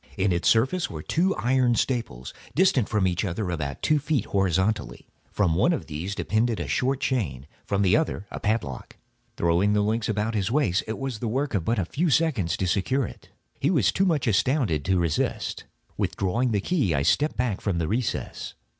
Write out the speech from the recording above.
In its surface were two iron staples, distant from each other about two feet, horizontally. From one of these depended a short chain, from the other a padlock. Throwing the links about his waist, it was but the work of a few seconds to secure it. He was too much astounded to resist. Withdrawing the key I stepped back from the recess.